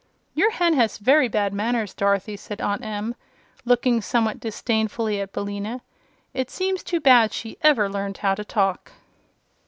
"Your hen has very bad manners, Dorothy," said Aunt Em, looking somewhat disdainfully at Billina. "It seems too bad she ever learned how to talk."